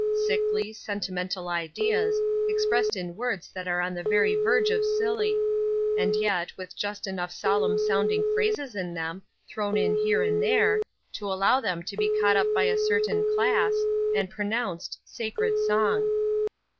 Sickly, sentimental ideas, expressed in words that are on the very verge of silly; and yet, with just enough solemn sounding phrases in them, thrown in here and there, to allow them to be caught up by a certain class, and pronounced "sacred song."